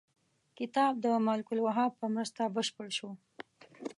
کتاب د ملک الوهاب په مرسته بشپړ شو.